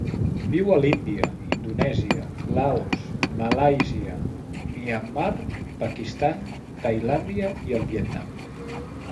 Viu a l'Índia, Indonèsia, Laos, Malàisia, Myanmar, Pakistan, Tailàndia i el Vietnam.